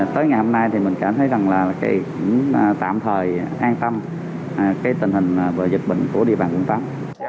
tới ngày hôm nay thì mình cảm thấy rằng là tạm thời an tâm tình hình vừa dịch bệnh của địa bàn quận tám